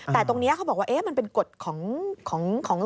แต่ตรงนี้เขาบอกว่ามันเป็นกฎของ